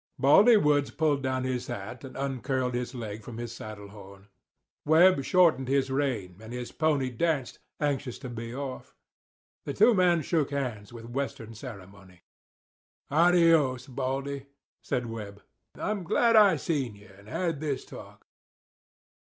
'" Baldy Woods pulled down his hat, and uncurled his leg from his saddle horn. Webb shortened his rein, and his pony danced, anxious to be off. The two men shook hands with Western ceremony. "Adios, Baldy," said Webb, "I'm glad I seen you and had this talk."